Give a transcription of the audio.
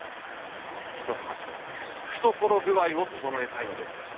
一橋の懐具合をととのえたいのでございます。